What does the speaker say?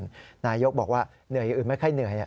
นายยกรัฐมนตรีบอกว่าเหนื่อยอื่นไม่ใช่เหนื่อย